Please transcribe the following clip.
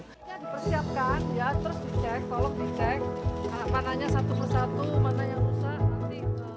dipersiapkan ya terus dicek tolok dicek anak panahnya satu persatu mana yang rusak nanti